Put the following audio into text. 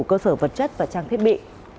cơ sở vật chất và trang thiết bị